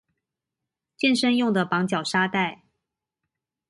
健身用的綁腳沙袋